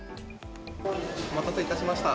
お待たせいたしました。